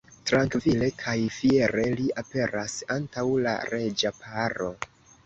Trankvile kaj fiere li aperas antaŭ la reĝa paro.